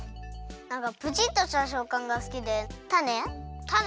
なんかプチッとしたしょっかんが好きで。たね？